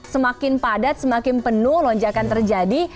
semakin padat semakin penuh lonjakan terjadi